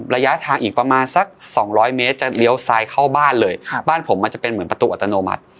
ระยะทางอีกประมาณสักสองร้อยเมตรจะเลี้ยวซ้ายเข้าบ้านเลยบ้านผมมันจะเป็นเหมือนประตูอัตโนมัติ